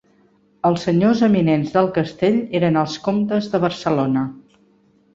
Els senyors eminents del castell eren els comtes de Barcelona.